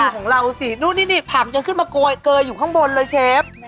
โหดูของเราสินู้นนี่ผักยังขึ้นมาเกลยอยู่ข้างบนเลยเชฟ